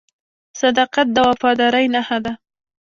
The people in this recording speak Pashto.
• صداقت د وفادارۍ نښه ده.